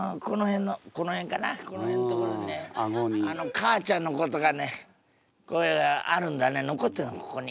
母ちゃんのことがねあるんだね残ってたのここに。